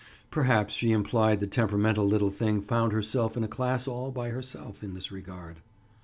Perhaps she implied the temperamental little thing found herself in a class, all by herself, in this regard.